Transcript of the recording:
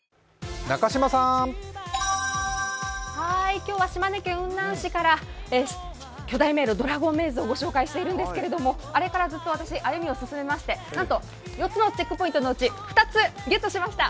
今日は島根県雲南市から巨大迷路ドラゴンメイズをご紹介しているんですけれども、あれからずっと、私、歩みを進めましてなんと４つのチェックポイントのうち２つ、ゲットしました。